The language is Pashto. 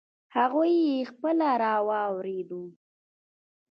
هغوی یې خپله را واردوي.